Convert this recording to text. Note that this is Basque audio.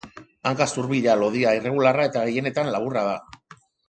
Hanka zurbila, lodia, irregularra eta gehienetan laburra da.